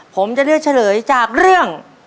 ผมจะเลือกเฉลยจากเรื่อง